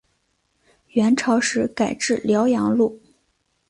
元朝时改置辽阳路。